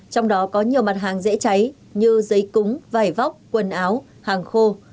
trong đó có nhiều mặt hàng dễ cháy như giấy cúng vải vóc quần áo hàng khô